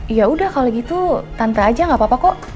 ya udah kalau gitu tante aja gak apa apa kok